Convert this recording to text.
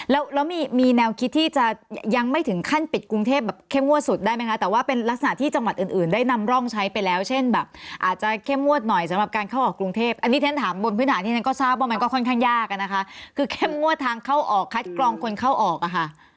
แล้วมีแนวคิดที่จะยังไม่ถึงขั้นปิดกรุงเทพแบบเข้มงวดสุดได้ไหมคะแต่ว่าเป็นลักษณะที่จังหวัดอื่นได้นำร่องใช้ไปแล้วเช่นแบบอาจจะเข้มงวดหน่อยสำหรับการเข้าออกกรุงเทพอันนี้ฉันถามบนพื้นฐานที่ฉันก็ทราบว่ามันก็ค่อนข้างยากอะนะคะคือเข้มงวดทางเข้าออกคัดกรองคนเข้าออกอะค่ะ